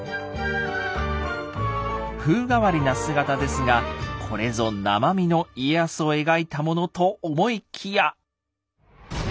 風変わりな姿ですがこれぞ生身の家康を描いたものと思いきや。